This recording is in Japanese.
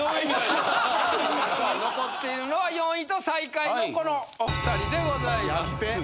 残っているのは４位と最下位のこのお２人でございます。